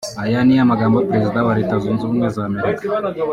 Aya ni amagambo Perezida wa Leta Zunze Ubumwe z’Amerika